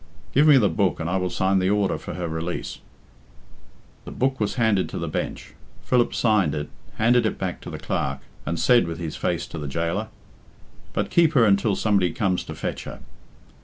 "Give me the book and I will sign the order for her release." The book was handed to the bench. Philip signed it, handed it back to the Clerk, and said with his face to the jailor "But keep her until somebody comes to fetch her."